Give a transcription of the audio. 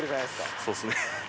そうっすね。